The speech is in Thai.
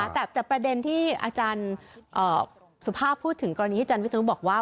แต่ประเด็นที่อาจารย์สุภาพพูดถึงกรณีอาจารย์วิศนุบอกว่า